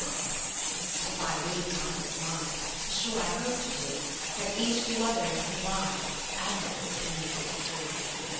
VIII But if I read in either's mind, As sure I hope to do, 30 That each to other is combin'd, Absence will make it true.